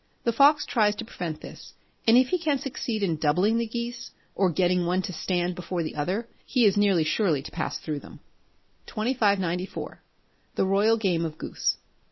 The fox tries to prevent this, and if he can succeed in doubling the geese, or getting one to stand before the other, he is nearly sure to pass through them. 2594. The Royal Game of Goose.